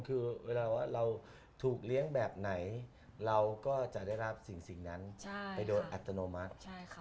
คือเวลาว่าเราถูกเลี้ยงแบบไหนเราก็จะได้รับสิ่งนั้นไปโดยอัตโนมัติ